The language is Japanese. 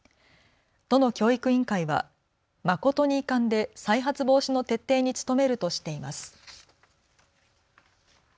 都の教育委員会は誠に遺憾で再発防止の徹底に努めるとしています。